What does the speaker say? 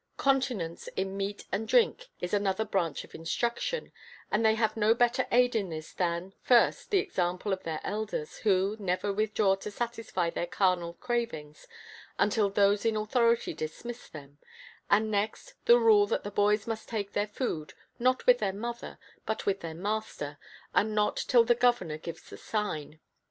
Continence in meat and drink is another branch of instruction, and they have no better aid in this than, first, the example of their elders, who never withdraw to satisfy their carnal cravings until those in authority dismiss them, and next, the rule that the boys must take their food, not with their mother but with their master, and not till the governor gives the sign.